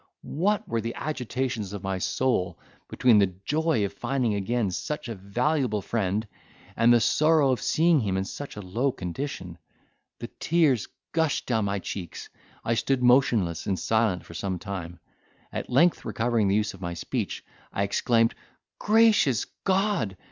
what were the agitations of my soul, between the joy of finding again such a valuable friend, and the sorrow of seeing him in such a low condition! The tears gushed down my cheeks; I stood motionless and silent for some time. At length, recovering the use of speech, I exclaimed, "Gracious God!